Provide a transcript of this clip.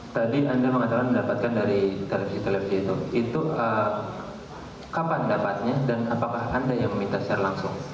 tadi anda mengatakan mendapatkan dari televisi televi itu itu kapan dapatnya dan apakah anda yang meminta secara langsung